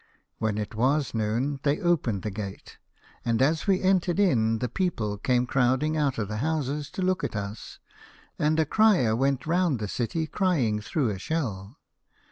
"When it was noon they opened the gate, and as we entered in the people came crowd ing out of the houses to look at us, and a crier went round the city crying through a shell.